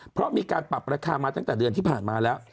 เพราะมีการปรับราคามาตั้งแต่เดือนที่ผ่านมาแล้ว